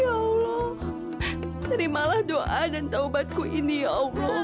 ya allah terimalah doa dan taubatku ini ya allah